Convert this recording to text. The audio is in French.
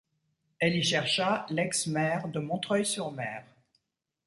Elle y chercha l’ex-maire de Montreuil-sur-Mer.